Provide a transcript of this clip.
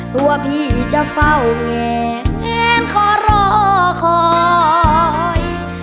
ตัวพี่จะเฝ้าแงเห็นขอรอคอย